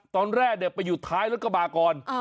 ตอนแรกไปอยู่ท้ายรถกระบะก่อน